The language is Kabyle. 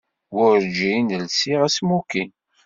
Werǧin lsiɣ asmukin.